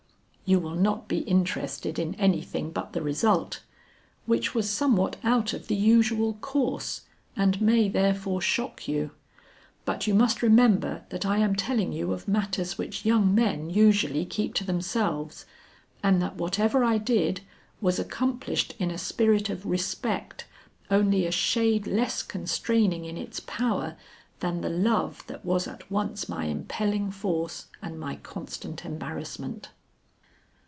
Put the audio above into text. You will not be interested in anything but the result, which was somewhat out of the usual course, and may therefore shock you. But you must remember that I am telling you of matters which young men usually keep to themselves, and that whatever I did, was accomplished in a spirit of respect only a shade less constraining in its power than the love that was at once my impelling force, and my constant embarrassment.